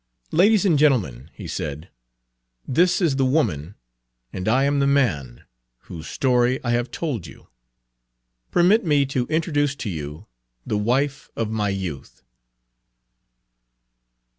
"Ladies and gentlemen," he said, "this is the woman, and I am the man, whose story I have told you. Permit me to introduce to you the wife of my youth."